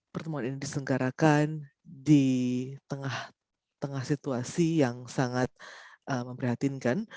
pertemuan ini diselenggarakan di tengah situasi yang sangat memprihatinkan